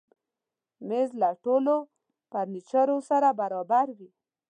مېز له ټولو فرنیچرو سره برابر وي.